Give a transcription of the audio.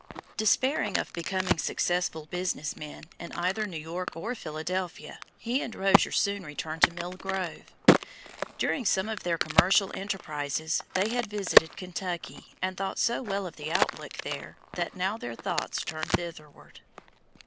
Despairing of becoming successful business men in either New York or Philadelphia, he and Rozier soon returned to Mill Grove. During some of their commercial enterprises they had visited Kentucky and thought so well of the outlook there that now their thoughts turned thitherward.